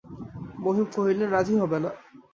মহিম কহিলেন, রাজি হবে না!